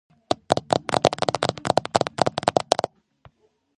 წულუკიძე იყო ქართველი მარქსისტული ლიტერატურის კრიტიკის ერთ-ერთი ფუძემდებელი.